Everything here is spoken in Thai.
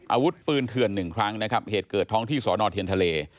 อาวุธปืนเถื่อนหนึ่งครั้งนะครับเหตุเกิดท้องที่สอนอเทียนทะเล